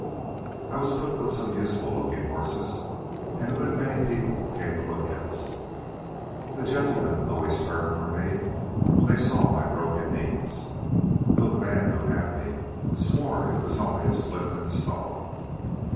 I was put with some useful looking horses, and a good many people came to look at us. The gentlemen always turned from me when they saw my broken knees; though the man who had me swore it was only a slip in the stall.